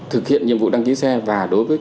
thực hiện nhiệm vụ đăng ký xe và đối với